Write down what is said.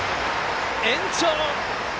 延長！